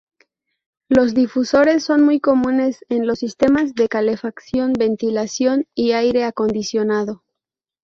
Los difusores son muy comunes en los sistemas de calefacción, ventilación y aire acondicionado.